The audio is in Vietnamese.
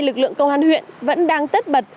lực lượng công an huyện vẫn đang tất bật